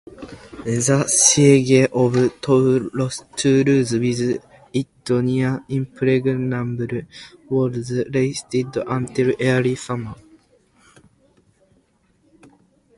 The siege of Toulouse, with its near-impregnable walls, lasted until early summer.